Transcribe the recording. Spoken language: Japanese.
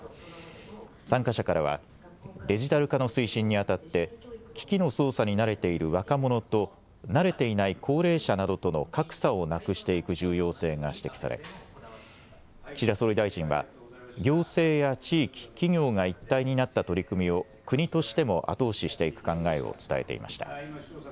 参加者からはデジタル化の推進にあたって機器の操作に慣れている若者と慣れていない高齢者などとの格差をなくしていく重要性が指摘され岸田総理大臣は行政や地域、企業が一体になった取り組みを国としても後押ししていく考えを伝えていました。